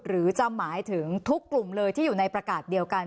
หรือจะหมายถึงทุกกลุ่มเลยที่อยู่ในประกาศเดียวกัน